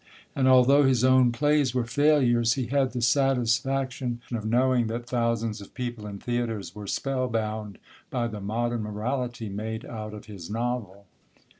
And although his own plays were failures, he had the satisfaction of knowing that thousands of people in theatres were spellbound by the modern Morality made out of his novel.